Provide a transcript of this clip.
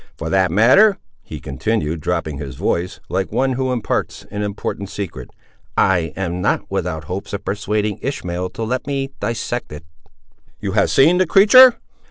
For that matter," he continued, dropping his voice, like one who imparts an important secret, "I am not without hopes of persuading Ishmael to let me dissect it." "You have seen the creature?"